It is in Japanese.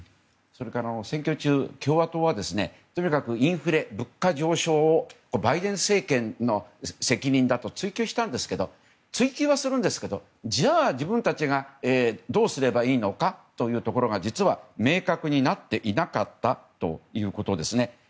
それから選挙中共和党はとにかくインフレ、物価上昇をバイデン政権の責任だと追及したんですけど追及はするんですけどじゃあ、自分たちがどうすればいいのかというのが実は明確になっていなかったということですね。